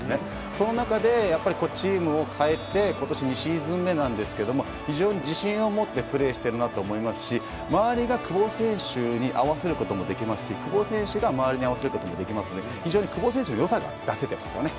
その中でチームを変えて今年２シーズン目なんですが非常に自信を持ってプレーしているなと思いますし周りが久保選手に合わせることもできますし久保選手が周りに合わせることができますので非常に久保選手の良さが出せていますよね。